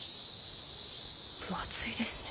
分厚いですね。